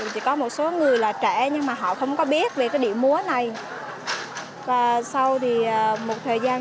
chỉ có một số người là trẻ nhưng mà họ không có biết về cái điệu múa này và sau thì một thời gian